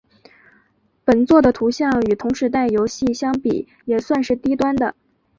本作的图像与同时代游戏相比也算是低端的。